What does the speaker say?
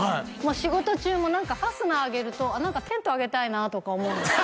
仕事中も何かファスナー上げるとテント上げたいなとか思うんです